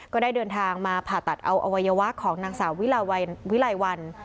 ก็ได้เดินทางมาผ่าตัดเอาอวัยวะของนางสาววิไลวัน